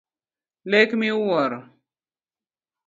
Lek miwuoro.